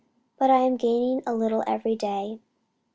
But I am gaining a little every day.